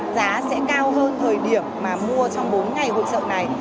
giá sẽ cao hơn thời điểm mà mua trong bốn ngày hội trợ này